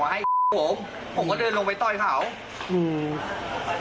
มีเปลื้อนครับ